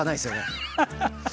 ハハハハ！